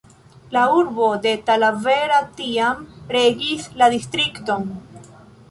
La urbo de Talavera tiam regis la distrikton.